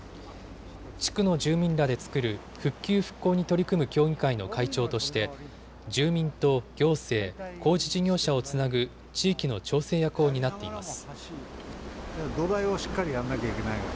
地区の住民らで作る復旧・復興に取り組む協議会の会長として、住民と行政、工事事業者をつなぐ地域の調整役を担っています。